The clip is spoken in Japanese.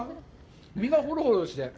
身がほろほろして。